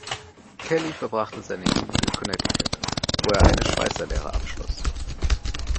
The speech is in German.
Kelley verbrachte seine Jugend in Connecticut, wo er eine Schweißer-Lehre abschloss.